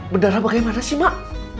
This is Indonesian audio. berdarah bagaimana sih mak